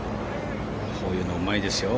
こういうのうまいですよ。